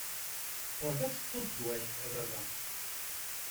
Ɣur-k ad tettuḍ ddwa-k, a baba.